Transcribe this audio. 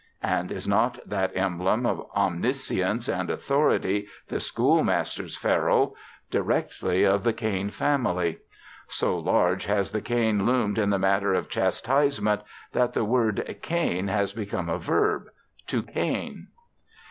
And is not that emblem of omniscience and authority, the schoolmaster's ferule, directly of the cane family? So large has the cane loomed in the matter of chastisement that the word cane has become a verb, to cane.